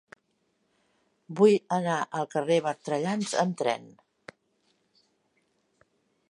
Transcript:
Vull anar al carrer de Bertrellans amb tren.